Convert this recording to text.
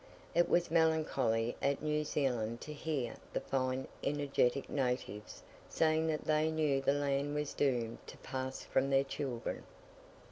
It was melancholy at New Zealand to hear the fine energetic natives saying that they knew the land was doomed to pass from their children.